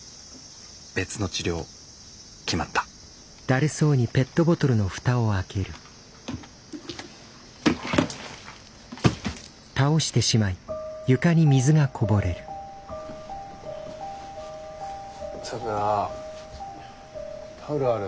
別の治療決まった咲良タオルある？